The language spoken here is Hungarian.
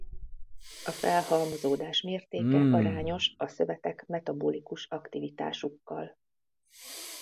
A felhalmozódás mértéke arányos a szövetek metabolikus aktivitásukkal.